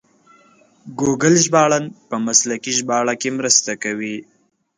ګوګل ژباړن په مسلکي ژباړه کې مرسته کوي.